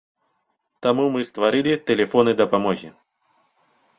Таму мы стварылі тэлефоны дапамогі.